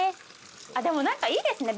あっでも何かいいですね。